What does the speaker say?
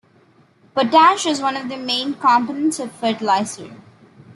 Potash is one of the main components of fertilizer.